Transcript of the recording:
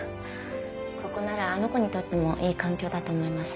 ここならあの子にとってもいい環境だと思います。